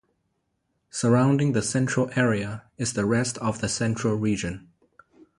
Surrounding the Central Area is the rest of the Central Region.